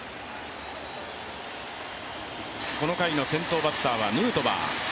この回の先頭バッターはヌートバー。